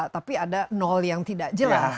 tapi ada nol yang tidak jelas